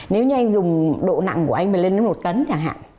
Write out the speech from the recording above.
nếu như anh dùng độ nặng của anh mình lên đến một tấn chẳng hạn